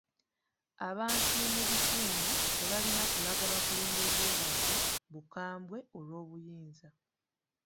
Abantu mu bitundu tebalina kulaga bakulembeze baabwe bukambwe olw'obuyinza.